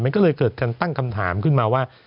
มันก็เลยเกิดการตั้งคำถามขึ้นมาว่า